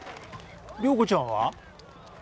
良子ちゃんは？